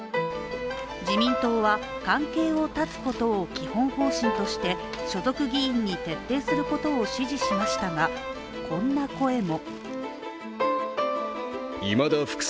自民党は関係を断つことを基本方針として所属議員に徹底することを指示しましたがこんな声も。